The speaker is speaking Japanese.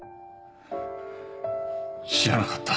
知らなかった